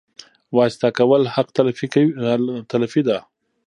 واسطه کول حق تلفي ده